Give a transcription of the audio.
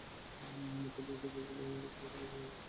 তবে ভবিষ্যতে এগুলো আরও পরিবার ব্যবহার করবে বলে তিনি আশা করেন।